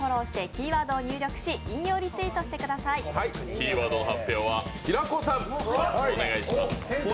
キーワードの発表は平子さん、お願いします。